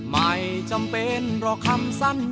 ไม่จำเป็นเพราะคำสรรค์